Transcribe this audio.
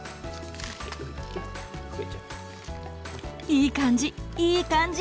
いい感じいい感じ！